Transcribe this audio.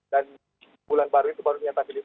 dan bulan baru itu baru dinyatakan